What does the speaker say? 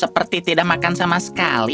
seperti tidak makan tak makan sama sekali